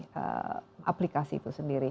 dari aplikasi itu sendiri